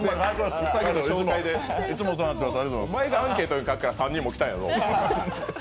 お前がアンケートに書くから３人も来たんやろ。